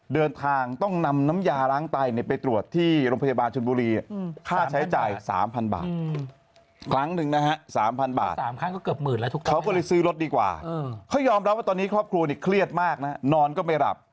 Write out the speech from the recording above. เขายอมรับว่าตอนนี้ครอบครัวนี่เครียดมากนะนอนก็ไปหลับ